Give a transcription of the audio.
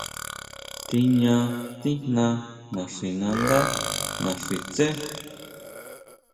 Tiña tijna naxinandá naxi tsé.